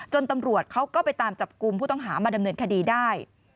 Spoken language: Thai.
ตำรวจเขาก็ไปตามจับกลุ่มผู้ต้องหามาดำเนินคดีได้